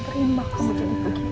kamu jadi begini